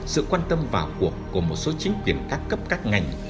sự quan tâm vào cuộc của một số chính quyền các cấp các ngành